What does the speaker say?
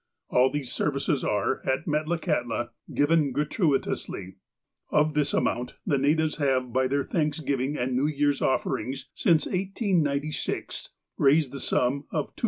All these services are, at Metlakahtla, given gratuitously. Of this amount, the natives have by their Thanksgiv ing and New Years' offerings, since 1896, raised the sum of $2,144.